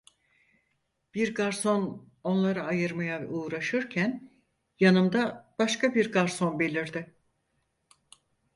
Bir garson onları ayırmaya uğraşırken yanımda başka bir garson belirdi.